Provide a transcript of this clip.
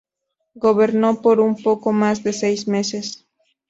Gobernó por un poco más de seis meses.